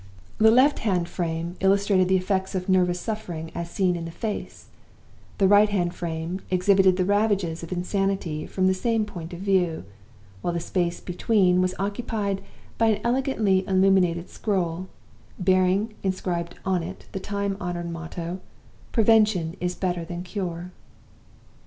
The left hand frame illustrated the effects of nervous suffering as seen in the face; the right hand frame exhibited the ravages of insanity from the same point of view; while the space between was occupied by an elegantly illuminated scroll, bearing inscribed on it the time honored motto, 'Prevention is better than Cure.